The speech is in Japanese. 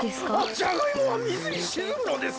じゃがいもは水にしずむのです。